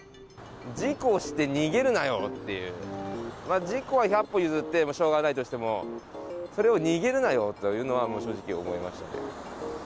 事故をして逃げるなよっていう、事故は百歩譲ってしょうがないとしても、それを逃げるなよというのは、正直思いましたけど。